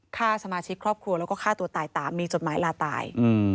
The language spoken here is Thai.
ฆ่าสมาชิกครอบครัวแล้วก็ฆ่าตัวตายตามมีจดหมายลาตาย